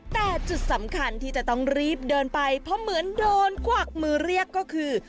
แต่จุดสำคัญที่จะต้องรีบเดินไปเพราะเหมือนโดนกวักมือเรียกก็คือ